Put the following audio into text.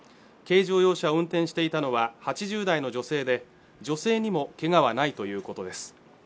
軽乗用車を運転していたのは８０代の女性で女性にも怪我はないということです